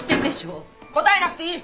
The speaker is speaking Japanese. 答えなくていい！